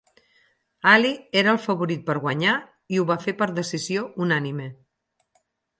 Ali era el favorit per guanyar i ho va fer per decisió unànime.